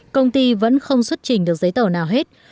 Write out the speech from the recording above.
công ty vẫn không xuất trình được giấy tờ nào hết